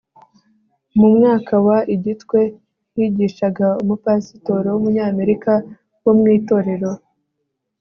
mu mwaka wa i gitwe higishaga umupasitoro w'umunyamerika wo mu itorero